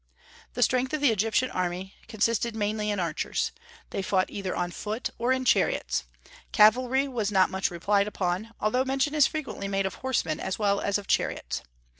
The strength of the Egyptian army consisted mainly in archers. They fought either on foot or in chariots; cavalry was not much relied upon, although mention is frequently made of horsemen as well as of chariots.